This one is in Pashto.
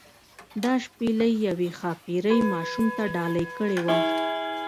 دا شپیلۍ یوې ښاپیرۍ ماشوم ته ډالۍ کړې وه.